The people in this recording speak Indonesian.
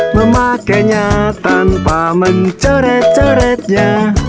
memakainya tanpa mencoret coretnya